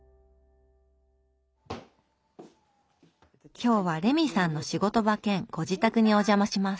今日はレミさんの仕事場兼ご自宅にお邪魔します。